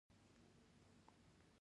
افغانستان د میلمه پالنې هیواد دی